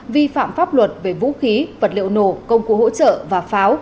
vi phạm pháp luật về vũ khí vật liệu nổ công cụ hỗ trợ và pháo